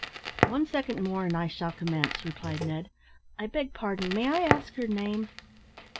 "One second more and I shall commence," replied Ned; "I beg pardon, may I ask your name?"